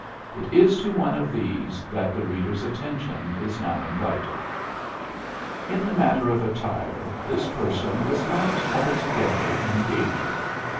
It is to one of these that the reader's attention is now invited. In the matter of attire this person was not altogether engaging.